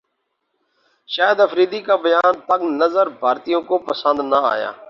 شاہد افریدی کا بیان تنگ نظر بھارتیوں کو پسند نہ ایا